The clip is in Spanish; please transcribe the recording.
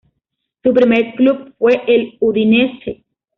Su primer club fue el Udinese.